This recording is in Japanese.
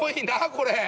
これ。